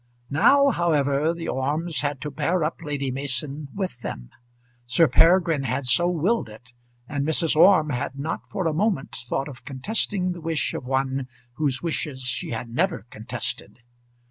Now, however, the Ormes had to bear up Lady Mason with them. Sir Peregrine had so willed it, and Mrs. Orme had not for a moment thought of contesting the wish of one whose wishes she had never contested.